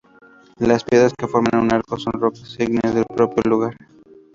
Las piedras que forman un arco son rocas ígneas del propio lugar.